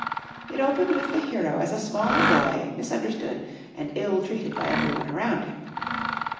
It opened with the hero as a small boy misunderstood and ill treated by everyone around him.